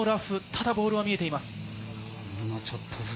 ただボールは見えています。